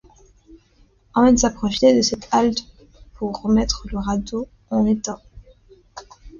Hans a profité de cette halte pour remettre le radeau en état.